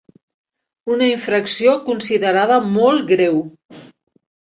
Una infracció considerada ‘molt greu’.